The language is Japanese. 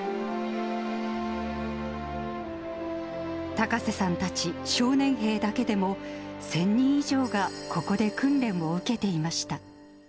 高瀬さんたち少年兵だけでも、１０００人以上がここで訓練を受けていました。